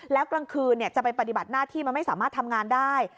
แล้วกลางคืนจะไปปฏิบัติหน้าที่มันไม่สามารถทำงานได้